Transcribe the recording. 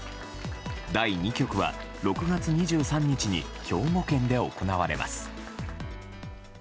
第２局は６月２３日に兵庫県で行われます。